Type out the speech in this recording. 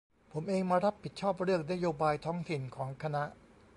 ผมเองมารับผิดชอบเรื่องนโยบายท้องถิ่นของคณะ